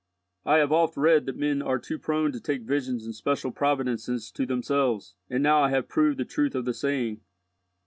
I have oft read that men are too prone to take visions and special providences to themselves, and now I have proved the truth of the saying."